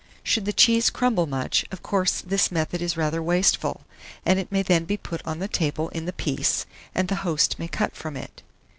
Should the cheese crumble much, of course this method is rather wasteful, and it may then be put on the table in the piece, and the host may cut from it.